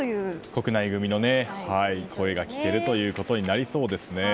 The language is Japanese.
国内組の声が聞けることになりそうですね。